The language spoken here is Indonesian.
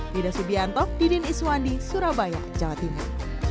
dida subianto didin iswandi surabaya jawa timur